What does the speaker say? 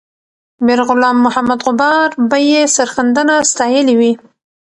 میرغلام محمد غبار به یې سرښندنه ستایلې وي.